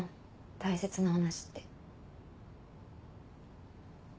大切な話って。